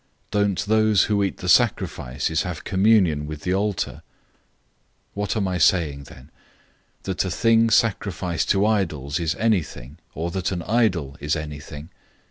Don't those who eat the sacrifices have communion with the altar? 010:019 What am I saying then? That a thing sacrificed to idols is anything, or that an idol is anything?